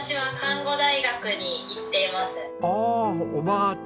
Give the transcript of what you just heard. ああおばあちゃん